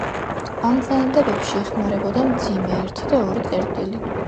ამ წინადადებებში იხმარებოდა მძიმე, ერთი და ორი წერტილი.